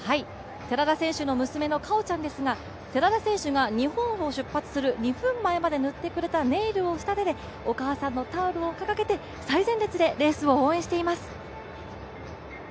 寺田選手の娘の果緒ちゃんですが、寺田選手が日本を出発する２分前まで塗ってくれたネイルをしたてて、お母さんのタオルを掲げて、最前列でレースを応援しています。